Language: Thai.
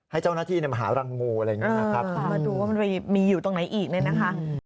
ให้เจ้าหน้าที่ดำหาหลังงูก็ดูว่ามันมีอยู่ตรงไหนอีกเนี่ยนะค่ะ